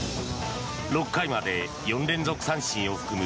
６回まで４連続三振を含む